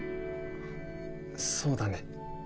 そうだね。